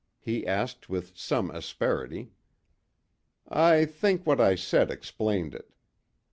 he asked with some asperity. "I think what I said explained it.